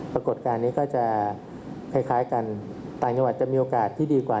ปรากฏการณ์นี้ก็จะคล้ายกันต่างจังหวัดจะมีโอกาสที่ดีกว่า